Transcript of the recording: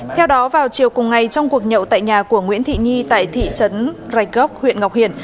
theo đó vào chiều cùng ngày trong cuộc nhậu tại nhà của nguyễn thị nhi tại thị trấn rạch gốc huyện ngọc hiển